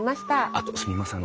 あとすみません。